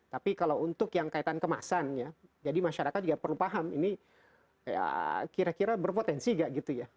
tapi kalau untuk yang kaitan kemasan ya jadi masyarakat juga perlu paham ini kira kira berpotensi gak gitu ya